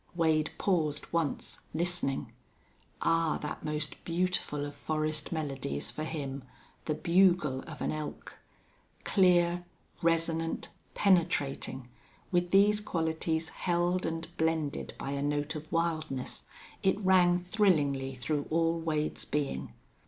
Wade paused once, listening. Ah! That most beautiful of forest melodies for him the bugle of an elk. Clear, resonant, penetrating, with these qualities held and blended by a note of wildness, it rang thrillingly through all Wade's being.